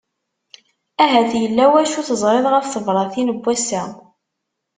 Ahat yella wacu teẓriḍ ɣef tebratin n wassa.